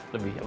lebih apa ya